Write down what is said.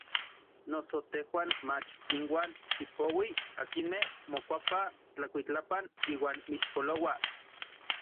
Noso tejuan mach inuan tipouij akinmej mokuapaj tlakuitlapan iuan mixpolouaj.